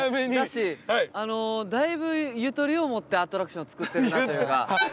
だしだいぶゆとりを持ってアトラクションをつくってるなというか。